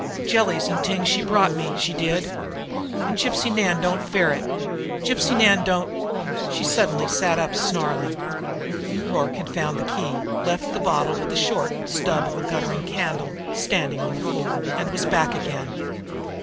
Jellies an' t'ings she brought me, she did. An' Gypsy Nan don't ferret. Gypsy Nan don't " She sat up suddenly, snarling. Rorke had found the key, left the bottle with the short stub of guttering candle standing on the floor, and was back again.